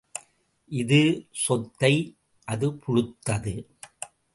இது சொத்தை அது புழுத்தது.